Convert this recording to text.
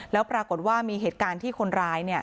แล้วปรากฏว่ามีเหตุการณ์ที่คนร้าย